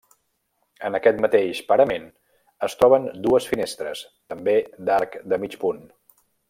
En aquest mateix parament es troben dues finestres, també d'arc de mig punt.